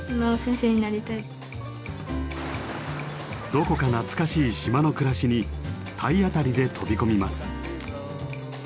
どこか懐かしい島の暮らしに体当たりで飛び込みます。